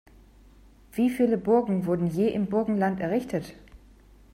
Wie viele Burgen wurden je im Burgenland errichtet?